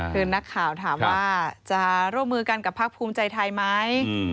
คือนักข่าวถามว่าจะร่วมมือกันกับภาคภูมิใจไทยไหม